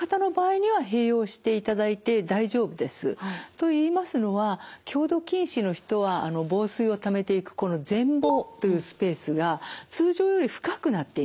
といいますのは強度近視の人は房水をためていくこの前房というスペースが通常より深くなっています。